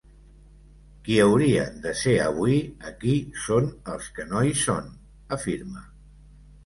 Qui haurien de ser avui aquí són els que no hi són, afirma.